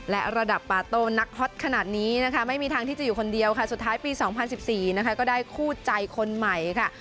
และระดับปาโต้นักฮอตขนาดนี้นะคะไม่มีทางที่จะอยู่คนเดียวค่ะสุดท้ายปี๒๐๑๔นะคะก็ได้คู่ใจคนใหม่ค่ะ